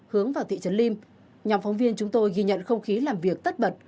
hướng vào thị trấn lim nhóm phóng viên chúng tôi ghi nhận không khí làm việc tất bật